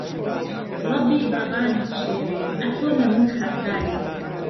رەبی بابانت شێوێ، ئەتۆ لە من خەساری